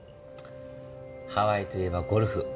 ハワイといえばゴルフ。